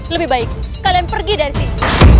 lebih baik kalian pergi dari sini